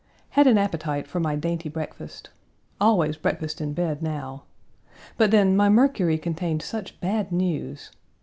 Had an appetite for my dainty breakfast. Always breakfast in bed now. But then, my Mercury contained such bad news.